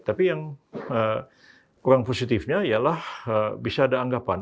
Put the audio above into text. tapi yang kurang positifnya ialah bisa ada anggapan